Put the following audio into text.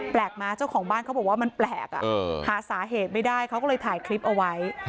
เจ้าของบ้านเขาบอกว่ามันแปลกหาสาเหตุไม่ได้เขาก็เลยถ่ายคลิปเอาไว้